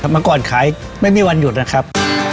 เมื่อก่อนขายไม่มีวันหยุดนะครับ